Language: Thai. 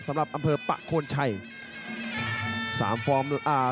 ที่มียอดมวยมากมายครับสำหรับอำเภอปะโคนชัย